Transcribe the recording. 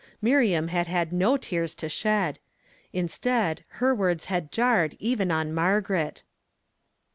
Miriam had had no teai s to shed. Instead, her words liad jarred even on Margaret.